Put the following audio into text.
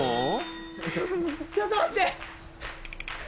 ちょっと待って！